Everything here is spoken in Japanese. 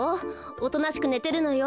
おとなしくねてるのよ。